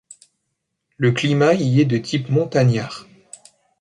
Le climat y est de type montagnard.